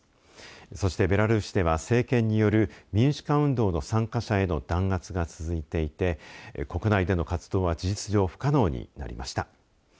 そしてベラルーシでは政権による民主化運動の参加者への弾圧が続いていて国内での活動は事実上不可能になりました。